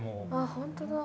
本当だ。